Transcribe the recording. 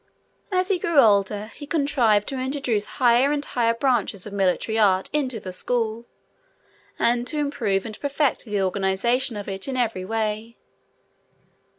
As he grew older he contrived to introduce higher and higher branches of military art into the school, and to improve and perfect the organization of it in every way.